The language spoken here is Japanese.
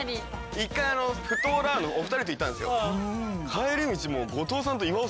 １回あのフットボールアワーのお二人と行ったんですよ。